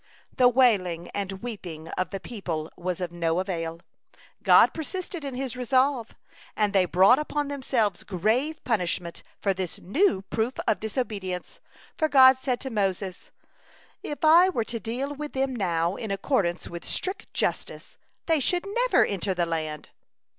The wailing and weeping of the people was of no avail, God persisted in His resolve, and they brought upon themselves grave punishment for this new proof of disobedience, for God said to Moses: "If I were to deal with them now in accordance with strict justice, they should never enter the land.